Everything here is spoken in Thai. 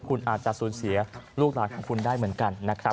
คุณอาจจะสูญเสียลูกหลานของคุณได้เหมือนกันนะครับ